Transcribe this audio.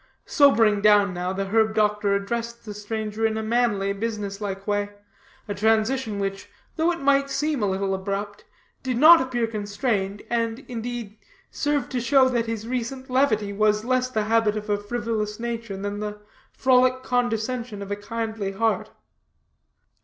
Sobering down now, the herb doctor addressed the stranger in a manly, business like way a transition which, though it might seem a little abrupt, did not appear constrained, and, indeed, served to show that his recent levity was less the habit of a frivolous nature, than the frolic condescension of a kindly heart.